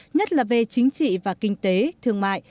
nhất là về chính trị và kinh tế thương mại